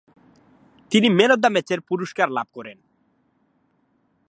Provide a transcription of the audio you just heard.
তিনি man of the ম্যাচের পুরস্কার লাভ করেন।